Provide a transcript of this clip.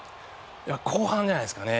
後半じゃないですかね。